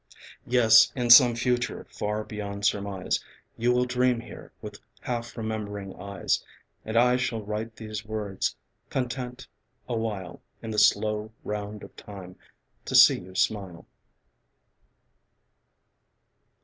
Yes, in some future far beyond surmise You will dream here with half remembering eyes, And I shall write these words, content awhile In the slow round of time to see you smile.